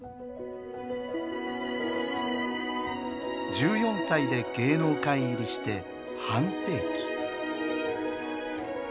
１４歳で芸能界入りして半世紀。